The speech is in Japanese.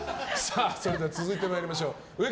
それでは続いてまいりましょう。